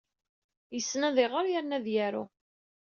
Yessen ad iɣer yerna ad yaru.